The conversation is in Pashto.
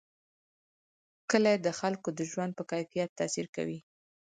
کلي د خلکو د ژوند په کیفیت تاثیر کوي.